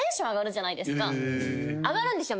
上がるんですよ